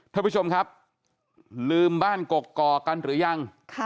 ท่านผู้ชมครับลืมบ้านกกอกกันหรือยัง